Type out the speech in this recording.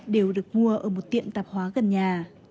đều được mua ở một tiệm tạp hóa gần nhà